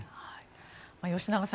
吉永さん